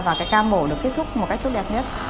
và cái ca mổ được kết thúc một cách tốt đẹp nhất